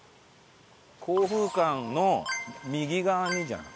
香風館の右側にじゃない？